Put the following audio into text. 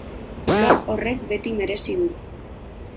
Blog horrek beti merezi du.